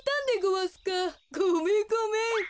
ごめんごめん。